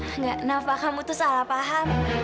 enggak nampak kamu tuh salah paham